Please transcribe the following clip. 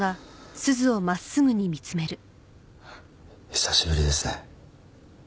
久しぶりですね。